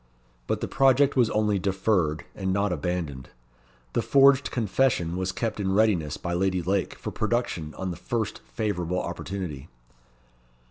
But the project was only deferred, and not abandoned. The forged confession was kept in readiness by Lady Lake for production on the first favourable opportunity.